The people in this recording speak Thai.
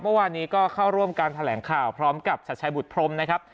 เมื่อวานนี้ก็เข้าร่วมการแถลงข่าวพร้อมกับชัดชัยบุตรพรมนะครับ